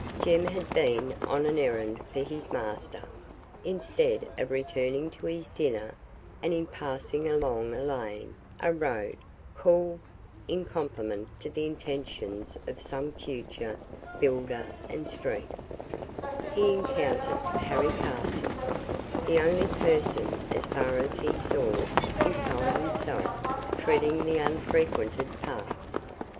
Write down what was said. Jem had been on an errand for his master, instead of returning to his dinner; and in passing along a lane, a road (called, in compliment to the intentions of some future builder, a street), he encountered Harry Carson, the only person, as far as he saw beside himself, treading the unfrequented path.